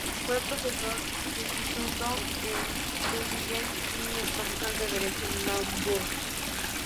Fue profesor sustituto en Tübingen y profesor de derecho en Marburg.